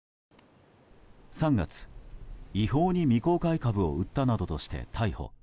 ３月、違法に未公開株を売ったなどとして逮捕。